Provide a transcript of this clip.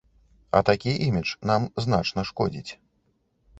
А такі імідж нам значна шкодзіць.